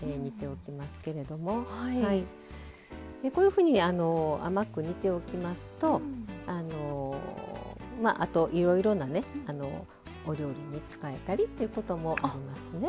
こういうふうに甘く煮ておきますとあといろいろなねお料理に使えたりということもありますね。